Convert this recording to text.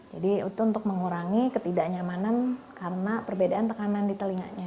jadi itu untuk mengurangi ketidaknyamanan karena perbedaan tekanan di telinganya